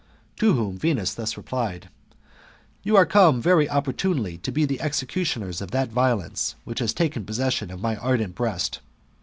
To whom Venus thus replied :" You are come very opportunely to be the executioners of that violence which has taken possession of my ardent breast.